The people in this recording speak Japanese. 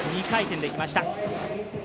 ２回転できました。